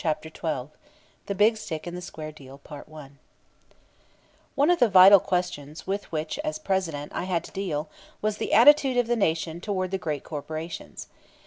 CHAPTER XII THE BIG STICK AND THE SQUARE DEAL One of the vital questions with which as President I had to deal was the attitude of the Nation toward the great corporations.